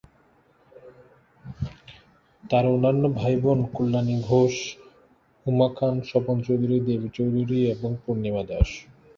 তার অন্যান্য ভাই বোন কল্যাণী ঘোষ, উমা খান, স্বপন চৌধুরী, দেবী চৌধুরী ও পূর্ণিমা দাশ।